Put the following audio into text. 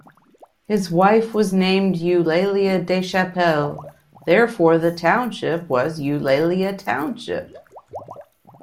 His wife was named Eulalia Deschapelles, therefore the township was Eulalia Township.